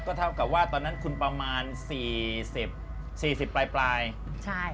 ก็เท่ากับว่าตอนนั้นคุณประมาณ๔๐ปลายใช่